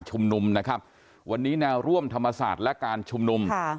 ชุมนุมนะครับวันนี้แนวร่วมธรรมศาสตร์และการชุมนุมค่ะ